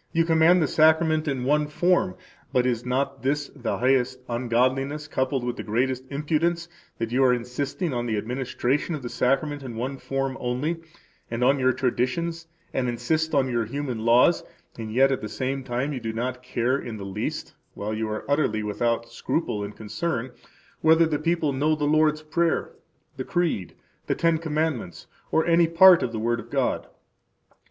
] You command the Sacrament in one form [but is not this the highest ungodliness coupled with the greatest impudence that you are insisting on the administration of the Sacrament in one form only, and on your traditions] and insist on your human laws, and yet at the same time you do not care in the least [while you are utterly without scruple and concern] whether the people know the Lord's Prayer, the Creed, the Ten Commandments, or any part of the Word of God.